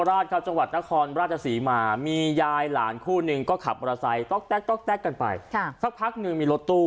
การขับโกรธไซส์เต๊กกเก็นไปอ่าข่าวก็พักหนึ่งมีรถตู้